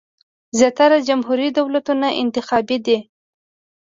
زیاتره جمهوري دولتونه انتخابي دي.